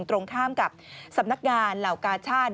ตรงข้ามกับสำนักงานเหล่ากาชาติ